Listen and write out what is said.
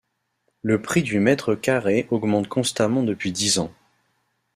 Le prix du mètre carré augmente constamment depuis dix ans.